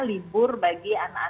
libur bagi anak anak